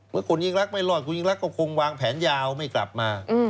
เมื่อคุณยิ่งรักไม่รอดคุณยิ่งรักก็คงวางแผนยาวไม่กลับมา